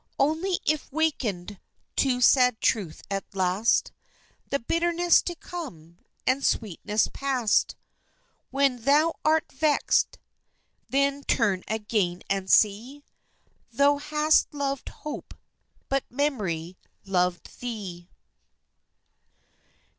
"Only if waken'd to sad truth, at last, The bitterness to come, and sweetness past; When thou art vext, then turn again, and see Thou hast loved Hope, but Memory loved thee."